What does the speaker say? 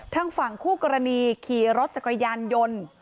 ทางฝั่งคู่กรณีขี่รถจักรยานยนต์